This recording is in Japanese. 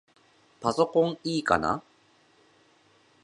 パソコンいいかな？